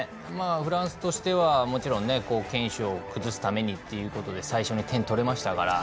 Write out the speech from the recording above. フランスとしては、もちろん堅守を崩すためにってことで最初に点を取れましたから。